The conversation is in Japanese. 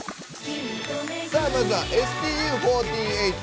まずはＳＴＵ４８。